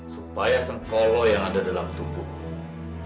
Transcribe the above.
supaya sengkolo yang ada dalam tubuhmu